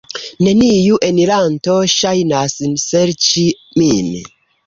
Neniu eniranto ŝajnas serĉi min.